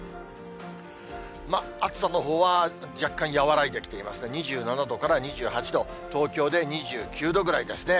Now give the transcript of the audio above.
暑さのほうは若干和らいできていますね、２７度から２８度、東京で２９度ぐらいですね。